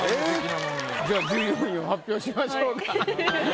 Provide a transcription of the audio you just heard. じゃあ１４位を発表しましょうか。